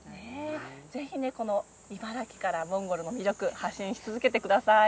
ぜひ茨城からモンゴルの魅力発信し続けてください。